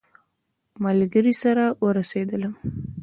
ملګري سره ورسېدلم.